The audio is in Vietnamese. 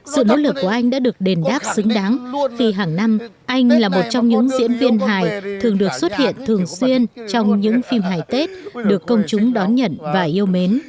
sự nỗ lực của anh đã được đền đáp xứng đáng vì hàng năm anh là một trong những diễn viên hài thường được xuất hiện thường xuyên trong những phim hài tết được công chúng đón nhận và yêu mến